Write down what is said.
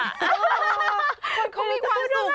คนเขามีความสุขเนอะ